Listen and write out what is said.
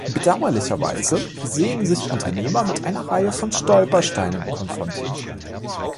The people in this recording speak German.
Bedauerlicherweise sehen sich Unternehmer mit einer Reihe von Stolpersteinen konfrontiert.